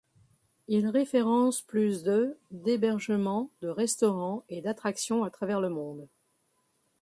Il référence plus de d'hébergements, de restaurants et d'attractions à travers le monde.